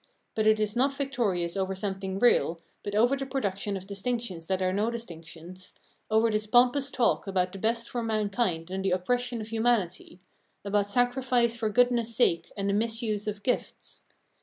But it is not victorious over something real, but over the produc tion of distiactions that are no distinctions, over this pompous talk about the best for mankind and the op pression of humanity, about sacrifice for goodness' sake and the misuse of gifts.